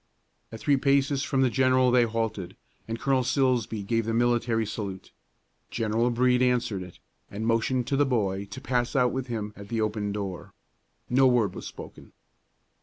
At three paces from the general they halted, and Colonel Silsbee gave the military salute. General Brede answered it, and motioned to the boy to pass out with him at the opened door. No word was spoken.